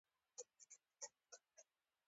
کمزوری مه ځوروئ